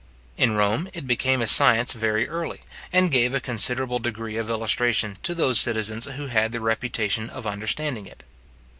In Rome it became a science very early, and gave a considerable degree of illustration to those citizens who had the reputation of understanding it.